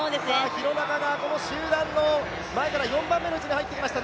廣中がこの集団の前から４番目の位置に入ってきました。